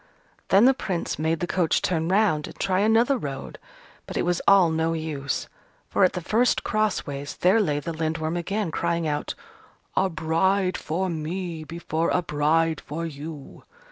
Then the Prince made the coach turn round and try another road: but it was all no use. For, at the first cross ways, there lay the Lindworm again, crying out, "A bride for me before a bride for you!"